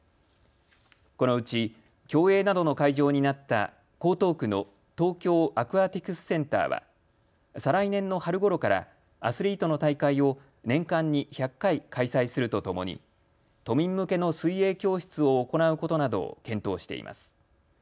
このうち競泳などの会場になった江東区の東京アクアティクスセンターは再来年の春ごろからアスリートの大会を年間に１００回開催するとともに都民向けの水泳教室を行うことなどを検討しています。